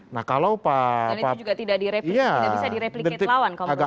dan itu juga tidak bisa direplikasi lawan